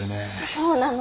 そうなの。